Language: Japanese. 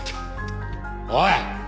おい！